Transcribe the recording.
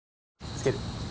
つける？